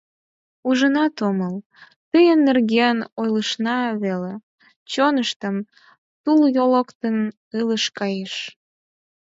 Ужынат омыл, тыйын нерген ойлышна веле, чоныштем тулйолкын ылыж кайыш.